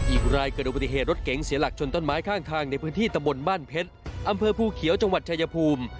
อีกรายเกิดอุบัติเหตุรถเก๋งเสียหลักชนต้นไม้ข้างทางในพื้นที่ตะบนบ้านเพชรอำเภอภูเขียวจังหวัดชายภูมิ